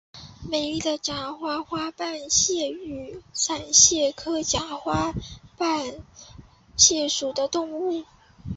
美丽假花瓣蟹为扇蟹科假花瓣蟹属的动物。